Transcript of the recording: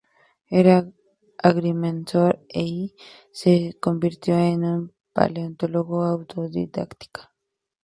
Era agrimensor y se convirtió en un paleontólogo autodidacta.